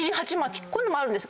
こういうのもあるんです。